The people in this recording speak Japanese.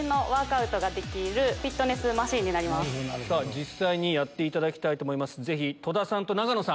実際にやっていただきたいと思います。